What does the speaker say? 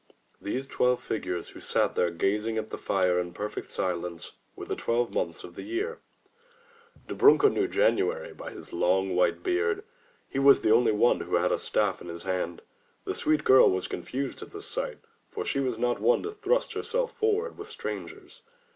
These twelve figures, who sat there gazing at the fire in perfect silence, were the Twelve Months of the Year. Dobrunka knew January by his long, white beard. He was the only one who had a staff in his hand. The sweet girl was confused at this sight, for she was not one to thrust herself for ward with strangers.